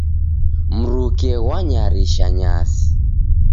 Mruke ghwanyarisha nyasi.